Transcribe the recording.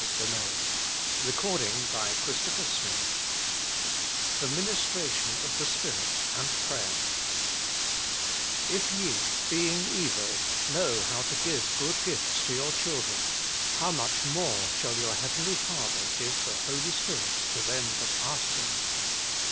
A PLEA FOR MORE PRAYER CHAPTER II Jflintetratton of tjje Spirit anti "If ye, being evil, know how to give good gifts to your children ; how much more shall your Heavenly Father give the Holy Spirit to them that ask Him